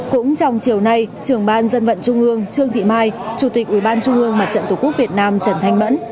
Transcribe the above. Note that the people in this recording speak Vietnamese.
cũng trong chiều nay trưởng ban dân vận trung ương trương thị mai chủ tịch ủy ban trung ương mặt trận tổ quốc việt nam trần thanh mẫn